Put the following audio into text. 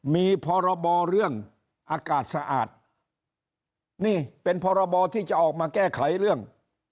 มีพรบเรื่องอากาศสะอาดนี่เป็นพรบที่จะออกมาแก้ไขเรื่อง